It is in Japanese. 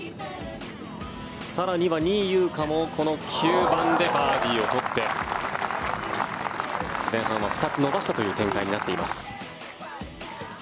更には仁井優花もこの９番でバーディーを取って前半は２つ伸ばしたという展開になっています。